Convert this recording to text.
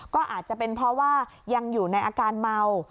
ก็อาจจะเป็นเพราะว่ายังอยู่ในอาการเมา